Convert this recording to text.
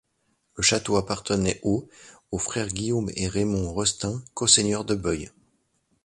Le château appartenait au aux frères Guillaume et Raimond Rostaing, co-seigneurs de Beuil.